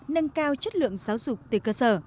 nâng cao chất lượng giáo dục từ cơ sở